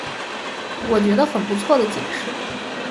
我觉得很不错的解释